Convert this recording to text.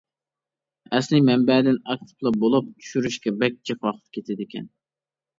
ئەسلى مەنبەدىن ئاكتىپلاپ بولۇپ چۈشۈرۈشكە بەك جىق ۋاقىت كېتىدىكەن.